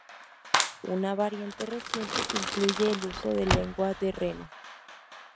Una variante reciente incluye el uso de lengua de reno.